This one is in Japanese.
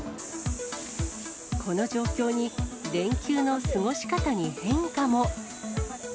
この状況に、連休の過ごし方に変化も。